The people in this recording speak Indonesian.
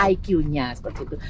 iqnya seperti itu